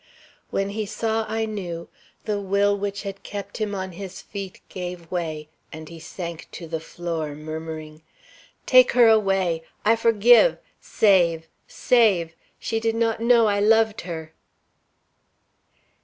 When he saw I knew, the will which had kept him on his feet gave way, and he sank to the floor murmuring: "Take her away! I forgive. Save! Save! She did not know I loved her."